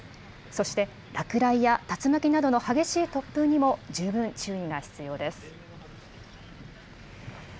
そして、落雷や竜巻などの激しい突風にも十分注意が必要です。